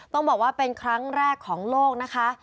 ต้องบอกว่าเป็นครั้งแรกของโลกนะคะ